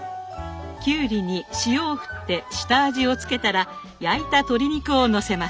きゅうりに塩をふって下味をつけたら焼いた鶏肉をのせます。